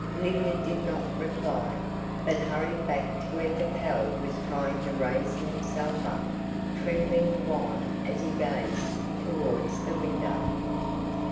Lydia did not reply, but hurried back to where Capel was trying to raise himself up, trembling the while, as he gazed towards the window.